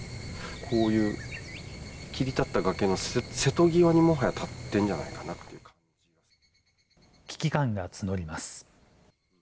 こういう切り立った崖の瀬戸際にもはや立ってんじゃないかなって危機感が募ります。